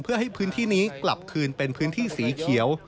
เพื่อให้พื้นที่นี้กลับคืนเป็นพื้นที่สีเขียว